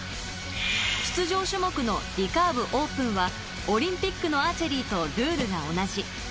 出場種目のリカーブオープンはオリンピックのアーチェリーとルールが同じ。